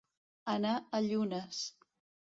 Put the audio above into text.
Anar a llunes.